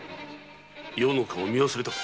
余の顔を見忘れたか。